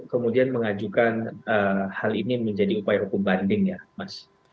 kemudian mengajukan hal ini menjadi upaya hukum banding ya mas